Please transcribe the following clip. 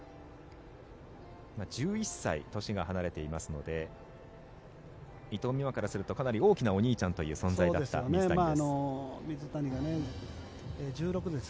１１歳年が離れていますので伊藤美誠からするとかなり大きなお兄ちゃんという存在だった水谷です。